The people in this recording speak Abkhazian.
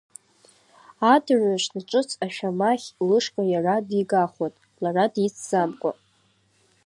Адырҩаҽны ҿыц ашәамахь лышҟа иара дигахуан, лара дицӡамкәа.